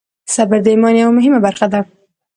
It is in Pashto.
صبر د ایمان یوه مهمه برخه ده.